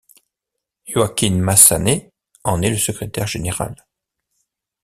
Joaquin Masanet en est le secrétaire général.